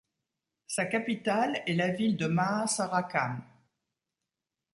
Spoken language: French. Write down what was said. Sa capitale est la ville de Maha Sarakham.